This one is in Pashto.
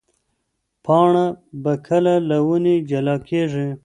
پاڼه به کله له ونې جلا کېږي؟